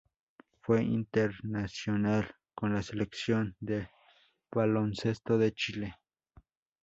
Fue internacional con la selección de baloncesto de Chile.